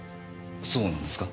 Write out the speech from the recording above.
そうなんですか？